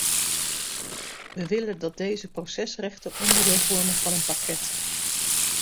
We willen dat deze procesrechten onderdeel vormen van een pakket.